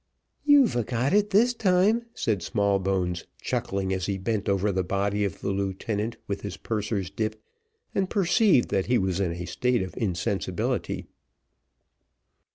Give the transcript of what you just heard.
"You've a got it this time," said Smallbones, chuckling as he bent over the body of the lieutenant with his purser's dip, and perceived that he was in a state of insensibility.